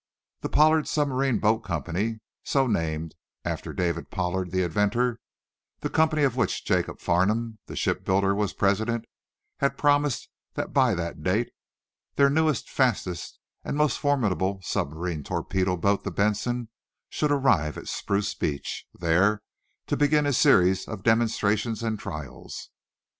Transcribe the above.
The Pollard Submarine Boat Company, so named after David Pollard the inventor the company of which Jacob Farnum, the shipbuilder, was president had promised that by that date their newest, fastest and most formidable submarine torpedo boat, the "Benson," should arrive at Spruce Beach, there to begin a series of demonstrations and trials.